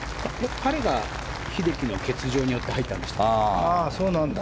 彼が英樹の欠場によって入ったんでしたっけ。